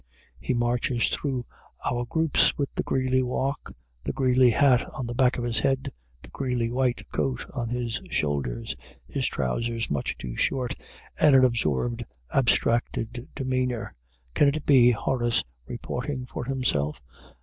_ He marches through our groups with the Greeley walk, the Greeley hat on the back of his head, the Greeley white coat on his shoulders, his trousers much too short, and an absorbed, abstracted demeanor. Can it be Horace, reporting for himself?